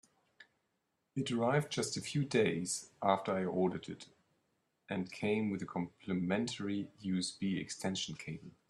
It arrived just a few days after I ordered it, and came with a complementary USB extension cable.